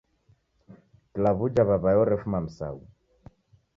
Kila w'uja w'aw'ae orefuma Msau!